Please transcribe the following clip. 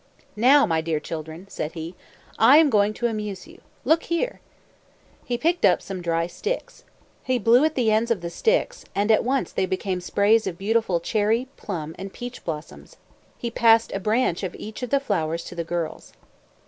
"Now, my dear children," said he, "I am going to amuse you. Look here!" He picked up some dry sticks. He blew at the ends of the sticks, and at once they became sprays of beautiful cherry, plum, and peach blossoms. He passed a branch of each of the flowers to the girls.